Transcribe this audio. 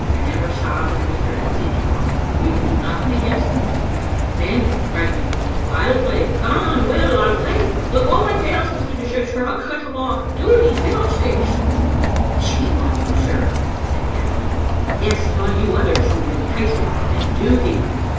I never saw the minister in sic form. We can do nothing against him." "Then," cried McQueen, "I'll play. Come what will, I'll play. Let go my tails, Mr. Dishart, or I'll cut them oflE. Duty? Fiddlesticks!" "Shame on you, sir," said Gavin; "yes, and on yon others who would entice him from his duty."